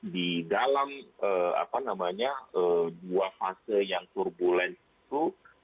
di dalam dua fase yang turbulensi itu